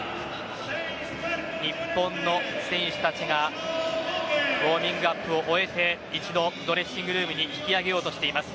日本の選手たちがウオーミングアップを終えて一度ドレッシングルームに引き揚げようとしています。